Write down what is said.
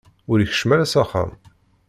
Ur ikeččem ara s axxam.